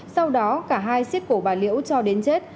sau đó cả hai xiết cổ bà liễu cho đến chết